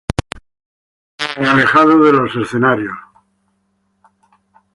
Tras diez años alejado de los escenarios.